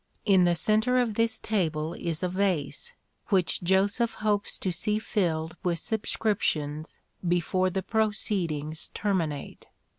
In the centre of this table is a vase, which Joseph hopes to see filled with subscriptions before the proceedings terminate.